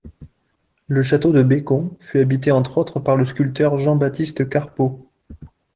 Le château de Bécon fut habité entre autres par le sculpteur Jean-Baptiste Carpeaux.